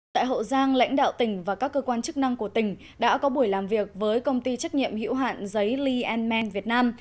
tại hậu giang lãnh đạo tỉnh và các cơ quan chức năng của tỉnh đã có buổi làm việc với công ty trách nhiệm hiểu hạn giấy lee men việt nam